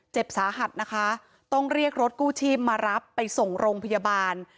เจ็บสาหัสนะคะต้องเรียกรถกู้ชีพมารับไปส่งโรงพยาบาล